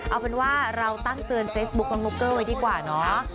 เอาเป็นว่าเราตั้งเตือนเฟซบุ๊คน้องนกเกอร์ไว้ดีกว่าเนาะ